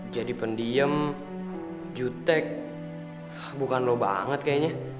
jadi pendiem jutek bukan lo banget kayaknya